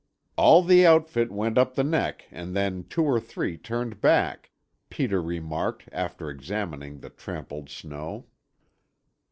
"All the outfit went up the neck and then two or three turned back," Peter remarked after examining the trampled snow.